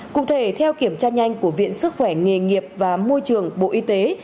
cụ thể theo kiểm tra nhanh của viện sức khỏe nghề nghiệp và môi trường bộ y tế